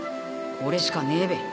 これしかねえべ。